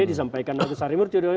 disampaikan naga sari murti